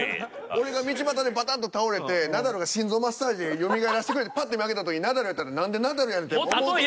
俺が道端でバタッと倒れてナダルが心臓マッサージでよみがえらせてくれてパッて目開けた時ナダルやったら何でナダルやねんって思うと思う。